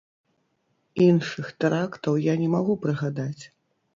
Іншых тэрактаў я не магу прыгадаць.